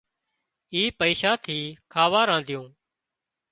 اِي پئيشا ٿي کاوا رنڌيون